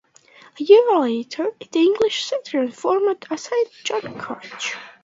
A year later, the English settlers formed Saint John's Church.